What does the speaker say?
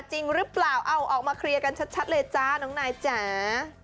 จริงหรือเปล่าเอาออกมาเคลียร์กันชัดเลยจ้าน้องนายจ๋า